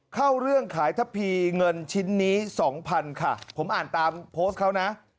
เข้าเรื่องขายทะพีเงินชิ้นนี้สองพันค่ะผมอ่านตามโพสต์เขานะ